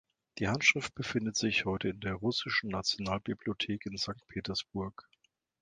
Die Handschrift befindet sich heute in der Russischen Nationalbibliothek in Sankt Petersburg.